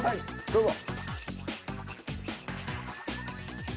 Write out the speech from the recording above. どうぞ。